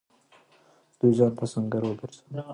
دوی ځان ته سنګر وگرځاوه.